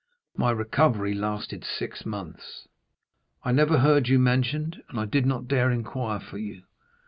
My recovery lasted six months. I never heard you mentioned, and I did not dare inquire for you.